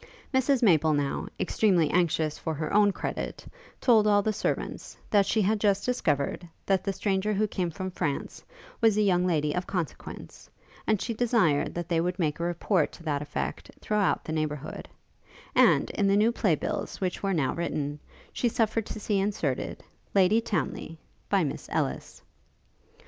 Mrs Maple now, extremely anxious for her own credit, told all the servants, that she had just discovered, that the stranger who came from France, was a young lady of consequence, and she desired that they would make a report to that effect throughout the neighbourhood; and, in the new play bills which were now written, she suffered to see inserted, Lady Townly by Miss Ellis.